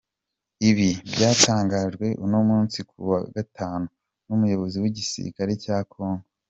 Ibi byatangajwe, uno musi ku wa gatanu, n’umuyobozi w’igisirikare cya Kongo.